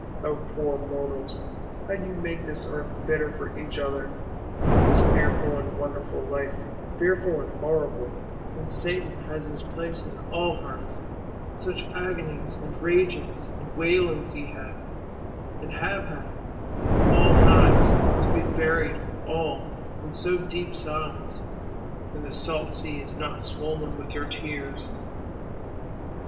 O poor mortals, how ye make this Earth bitter for each other; this fearful and wonderful Life fearful and horrible; and Satan has his place in all hearts! Such agonies and ragings and wailings ye have, and have had, in all times:—to be buried all, in so deep silence; and the salt sea is not swoln with your tears.